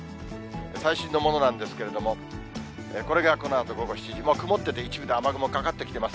最新のものなんですけれども、これがこのあと午後７時、曇ってて、一部で雨雲かかってきています。